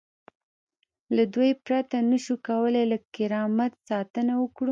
له دوی پرته نشو کولای له کرامت ساتنه وکړو.